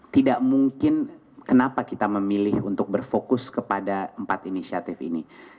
tidak mungkin kenapa kita memilih untuk berfokus kepada empat inisiatif ini